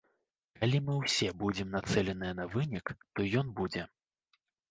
Калі мы ўсе будзем нацэленыя на вынік, то ён будзе.